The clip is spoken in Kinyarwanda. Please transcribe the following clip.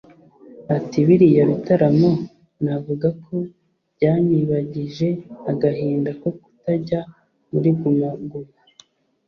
Ati “Biriya bitaramo navuga ko byanyibagije agahinda ko kutajya muri Guma Guma